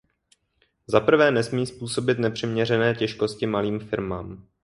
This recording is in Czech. Zaprvé nesmí způsobit nepřiměřené těžkosti malým firmám.